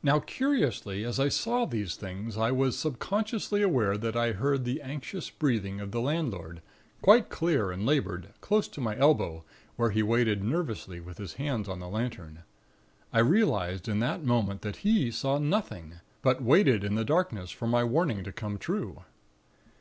"Now, curiously, as I saw these things, I was subconsciously aware that I heard the anxious breathing of the landlord, quite clear and labored, close to my elbow, where he waited nervously with his hands on the lantern. I realized in that moment that he saw nothing; but waited in the darkness, for my warning to come true.